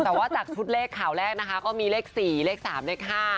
แต่ว่าจากชุดเลขข่าวแรกนะคะก็มีเลข๔เลข๓เลข๕